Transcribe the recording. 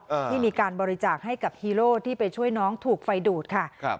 ที่มีการบริจาคให้กับฮีโร่ที่ไปช่วยน้องถูกไฟดูดค่ะครับ